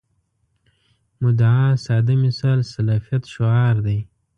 مدعا ساده مثال سلفیت شعار دی.